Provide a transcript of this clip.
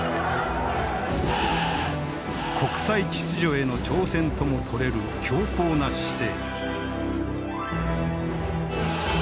国際秩序への挑戦ともとれる強硬な姿勢。